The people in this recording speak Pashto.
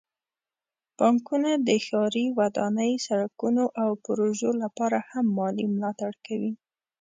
بانکونه د ښاري ودانۍ، سړکونو، او پروژو لپاره هم مالي ملاتړ کوي.